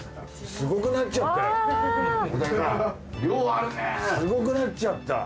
スゴくなっちゃった。